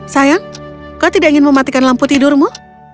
sayang kau tidak ingin mematikan lampu tidurmu